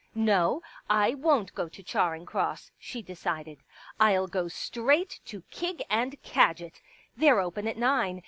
" No, I won't go to Charing Cross," she decided. *' I'll go straight to Kig and Kadgit. They're open at nine.